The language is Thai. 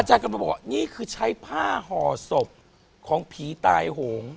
อาจารย์กลับมาบอกนี่คือใช้ผ้าห่อศพของผีตายโหง